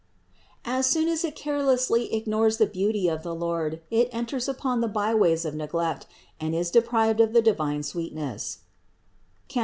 As soon as it carelessly ignores the beauty of the Lord, it enters upon the byways of neglect and is de prived of the divine sweetness (Cant.